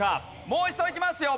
もう一度いきますよ。